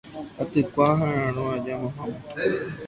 aitykua aha'arõ aja mamáme